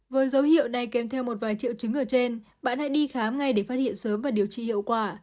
với dấu hiệu này kèm theo một vài triệu chứng ở trên bạn hãy đi khám ngay để phát hiện sớm và điều trị hiệu quả